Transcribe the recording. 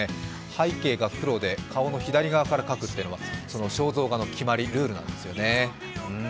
背景が黒で、顔の左側から描くというのは肖像画のルールなんですよね。